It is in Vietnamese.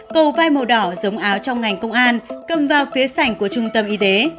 cầu vai màu đỏ giống áo trong ngành công an cầm vào phía sảnh của trung tâm y tế